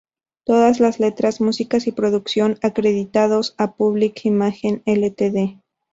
Todas las letras, música y producción acreditados a Public Image Ltd.